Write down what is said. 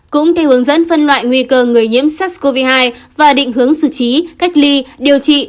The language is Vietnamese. cũng theo hướng dẫn phân loại nguy cơ người nhiễm sars cov hai và định hướng xử trí cách ly điều trị